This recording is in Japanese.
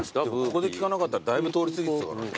ここで聞かなかったらだいぶ通り過ぎてたから。